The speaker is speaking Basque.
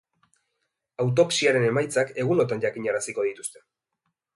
Autopsiaren emaitzak egunotan jakinaraziko dituzte.